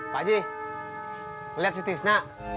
pak aji liat si tisna